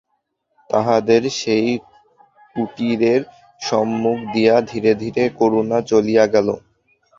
তাহাদের সেই কুটীরের সম্মুখ দিয়া ধীরে ধীরে করুণা চলিয়া গেল।